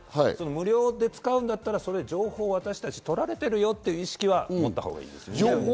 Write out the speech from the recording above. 無料で使うんだったら、その情報を取られているという意識は持ったほうがいいですね。